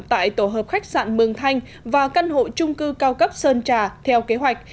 tại tổ hợp khách sạn mường thanh và căn hộ trung cư cao cấp sơn trà theo kế hoạch